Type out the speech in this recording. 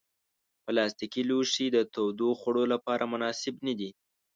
پلاستيکي لوښي د تودو خوړو لپاره مناسب نه دي.